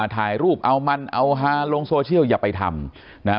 ถ่ายรูปเอามันเอาฮาลงโซเชียลอย่าไปทำนะฮะ